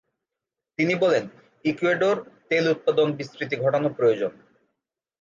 তিনি বলেন, ইকুয়েডর তেল উৎপাদন বিস্তৃতি ঘটানো প্রয়োজন।